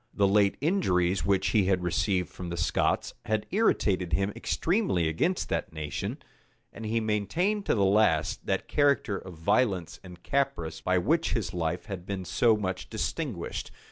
The late injuries which he had received from the Scots, had irritated him extremely against that nation; and he maintained to the last that character of violence and caprice by which his life had been so much distinguished.